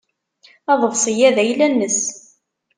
Aḍebsi-a d ayla-nnes.